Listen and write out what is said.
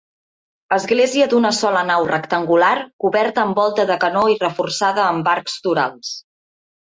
Església d'una sola nau rectangular coberta amb volta de canó i reforçada amb arcs torals.